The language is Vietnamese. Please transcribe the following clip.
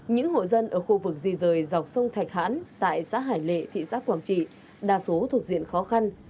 những hộ dân ở khu vực di rời dọc sông thạch hãn tại xã hải lệ thị xã quảng trị đa số thuộc diện khó khăn